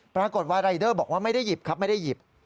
ปรากฏว่ารายเดอร์บอกว่าไม่ได้หยิบครับ